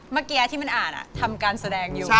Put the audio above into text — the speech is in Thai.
เมื่อกี้อ่ะที่มันอ่านอะทำการแสดงเดี๋ยวยิง